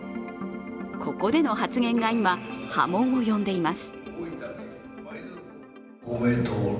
ここでの発言が今、波紋を呼んでいます。